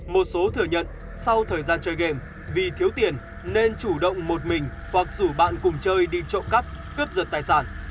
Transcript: một số thừa nhận sau thời gian chơi game vì thiếu tiền nên chủ động một mình hoặc rủ bạn cùng chơi đi trộm cắp cướp giật tài sản